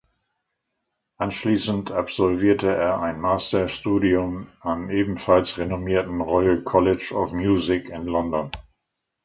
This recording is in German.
Anschließend absolvierte er ein Masterstudium am ebenfalls renommierten Royal College of Music in London.